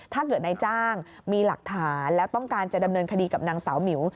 ถ้าเกิดนายจ้างมีหลักฐานแล้วต้องการจะดำเนินคดีกับนางสาวหมิว